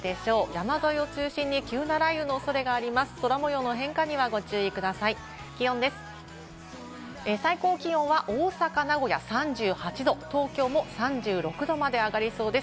山沿いを中心に急な雷雨のおそれがあります。